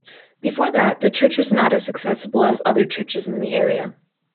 Before that, the church was not as accessible as other churches in the area.